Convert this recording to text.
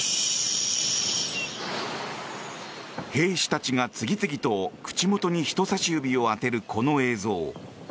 兵士たちが次々と、口元に人さし指を当てるこの映像。